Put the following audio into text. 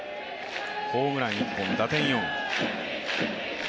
ホームラン１本、打点４。